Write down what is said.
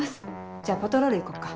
じゃあパトロール行こっか。